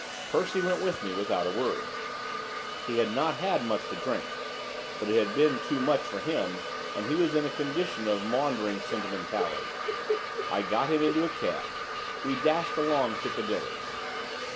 Percy went with me without a word. He had not had much to drink, but it had been too much for him, and he was in a condition of maundering sentimentality. I got him into a cab. We dashed along Piccadilly.